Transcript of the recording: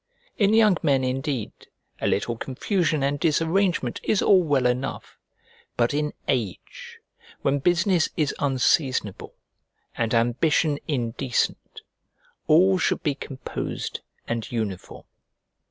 In young men, indeed, a little confusion and disarrangement is all well enough: but in age, when business is unseasonable, and ambition indecent, all should be composed and uniform.